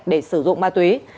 để sử dụng ma túy